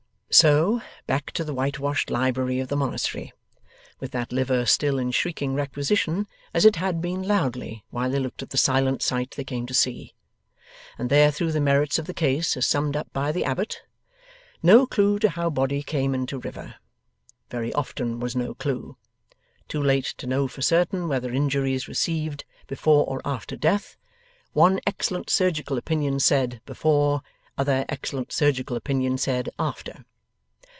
So, back to the whitewashed library of the monastery with that liver still in shrieking requisition, as it had been loudly, while they looked at the silent sight they came to see and there through the merits of the case as summed up by the Abbot. No clue to how body came into river. Very often was no clue. Too late to know for certain, whether injuries received before or after death; one excellent surgical opinion said, before; other excellent surgical opinion said, after.